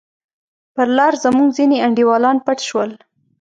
پر لار زموږ ځیني انډیوالان پټ شول.